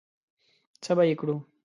څه به یې کړو؟